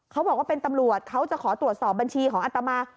เขาบอกว่าเป็นตำรวจเขาจะขอตรวจสอบบัญชีของอัตมา